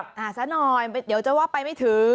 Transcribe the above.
อ่าซะหน่อยเดี๋ยวจะว่าไปไม่ถึง